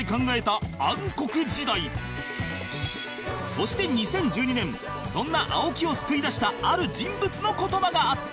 そして２０１２年そんな青木を救いだしたある人物の言葉があった